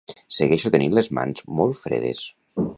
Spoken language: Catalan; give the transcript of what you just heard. Segueixo tenint les mans molt fredes